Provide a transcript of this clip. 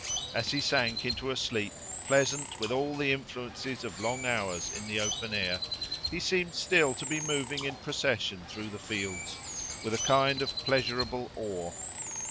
As he sank into a sleep, pleasant with all the influences of long hours in the open air, he seemed still to be moving in procession through the fields, with a kind of pleasurable awe.